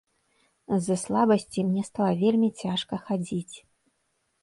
З-за слабасці мне стала вельмі цяжка хадзіць.